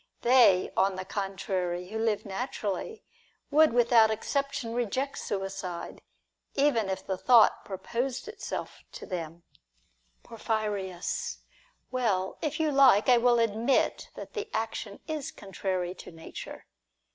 They, on the contrary, who live naturally, would without exception reject suicide, if even the thought proposed itself to them. Porphyrius. Well, if you like, I will admit that the action is contrary to nature.